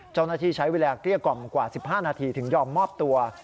เจ้าหน้าที่ใช้เวลาเกลี้ยกล่อมกว่า๑๕นาทีถึงยอมมอบตัว